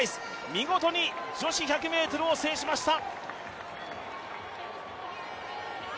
見事に女子１００ｍを制しました。